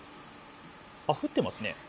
降ってますね。